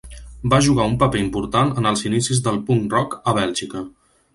Va jugar un paper important en els inicis del punk rock a Bèlgica.